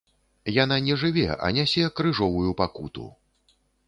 Яна не жыве, а нясе крыжовую пакуту.